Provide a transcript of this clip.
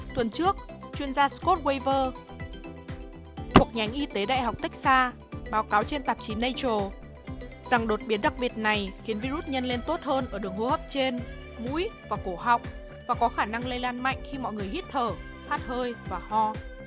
tuần trước chuyên gia scott guever thuộc nhánh y tế đại học texa báo cáo trên tạp chí nato rằng đột biến đặc biệt này khiến virus nhân lên tốt hơn ở đường hô hấp trên mũi và cổ họng và có khả năng lây lan mạnh khi mọi người hít thở hát hơi và ho